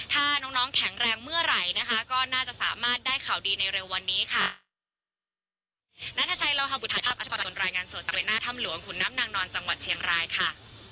ถ้าน้องน้องแข็งแรงเมื่อไหร่นะคะก็น่าจะสามารถได้ข่าวดีในเร็ววันนี้ค่ะ